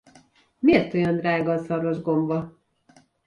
Miért olyan drága a szarvasgomba?